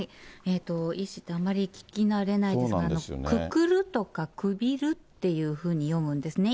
縊死ってあんまり聞き慣れないんですが、くくるとか、くびるっていうふうに読むんですね。